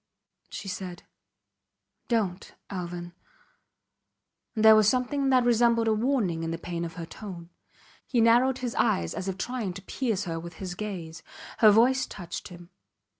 She said: Dont Alvan! and there was something that resembled a warning in the pain of her tone. He narrowed his eyes as if trying to pierce her with his gaze. Her voice touched him.